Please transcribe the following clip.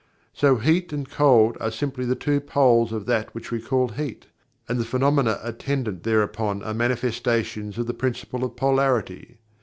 So "heat" and "cold" are simply the "two poles" of that which we call "Heat" and the phenomena attendant thereupon are manifestations of the Principle of Polarity.